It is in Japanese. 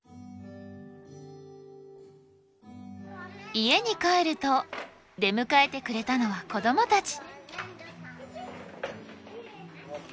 家に帰ると出迎えてくれたのは子どもたち。